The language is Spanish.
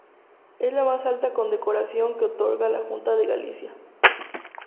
Es la más alta condecoración que otorga la Junta de Galicia.